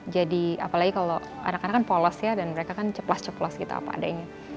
jadi apalagi kalau anak anak kan polos ya dan mereka kan ceplas ceplas gitu apa adanya